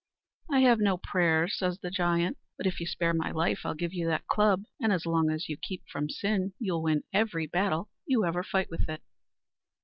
"I have no prayers," says the giant; "but if you spare my life I'll give you that club; and as long as you keep from sin, you'll win every battle you ever fight with it."